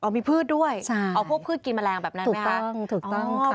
มีพืชด้วยพวกพืชกินแมลงแบบนั้นไหมคะถูกต้องค่ะ